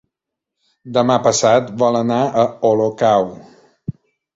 Demà passat vol anar a Olocau.